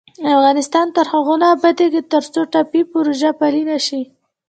افغانستان تر هغو نه ابادیږي، ترڅو ټاپي پروژه پلې نشي.